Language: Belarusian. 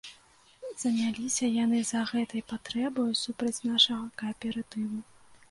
Заняліся яны за гэтай патрэбаю супраць нашага кааператыву.